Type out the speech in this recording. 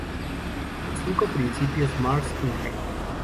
Los cinco principios Mars, Inc.